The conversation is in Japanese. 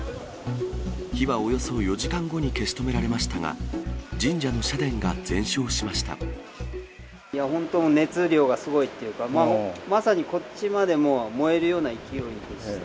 火はおよそ４時間後に消し止められましたが、神社の社殿が全焼し本当、熱量がすごいというか、まさにこっちまで燃えるような勢いでした。